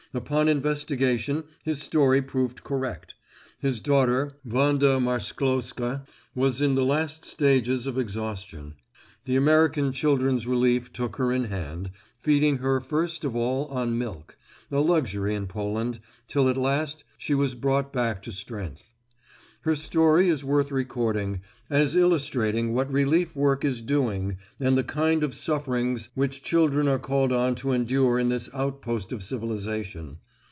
Upon investigation his story proved correct. His daughter, Wanda Marchzcloska, was in the last stages of exhaustion. The American Children's Relief took her in hand, feeding her first of all on milk, a luxury in Poland, till at last she was brought back to strength. Her story is worth recording, as illustrating what relief work is doing and the kind of sufferings which children are called on to endure in this outpost of civilization.